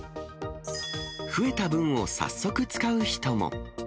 増えた分を早速使う人も。